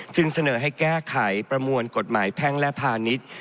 จึงเสนอให้แก้ไขประมวลกฎหมายแพ่งและพาณิชย์